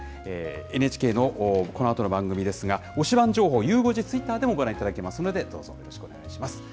ＮＨＫのこのあとの番組ですが、推しバン！情報、ゆう５時ツイッターでもご覧いただけますので、どうぞよろしくお願いします。